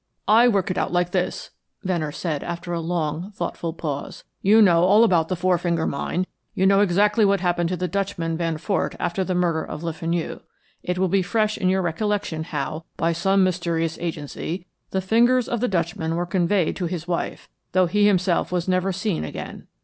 "I work it out like this," Venner said, after a long, thoughtful pause. "You know all about the Four Finger Mine; you know exactly what happened to the Dutchman Van Fort after the murder of Le Fenu. It will be fresh in your recollection how, by some mysterious agency, the fingers of the Dutchman were conveyed to his wife, though he himself was never seen again.